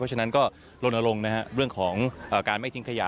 เพราะฉะนั้นก็ร่วมลงเรื่องของการไม่ทิ้งขยะ